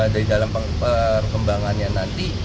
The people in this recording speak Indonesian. dari dalam perkembangannya nanti